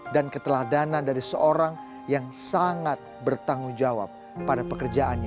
dan keteladanan dari seorang yang sangat bertanggung jawab pada pekerjaannya